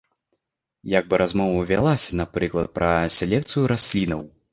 Як бы размова вялася, напрыклад, пра селекцыю раслінаў.